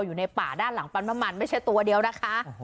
อยู่ในป่าด้านหลังปั๊มน้ำมันไม่ใช่ตัวเดียวนะคะ